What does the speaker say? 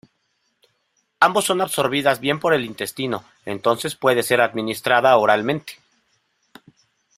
Ambos son absorbidas bien por el intestino, entonces puede ser administrada oralmente.